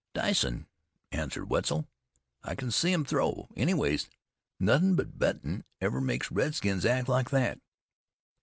"Dicin'," answered Wetzel. "I can see 'em throw; anyways, nothin' but bettin' ever makes redskins act like that."